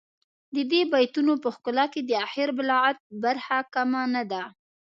د دې بیتونو په ښکلا کې د اخر بلاغت برخه کمه نه ده.